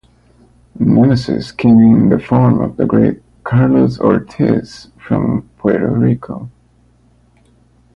Nemesis came in the form of the great Carlos Ortiz from Puerto Rico.